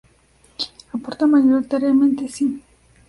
Aportan mayoritariamente Si.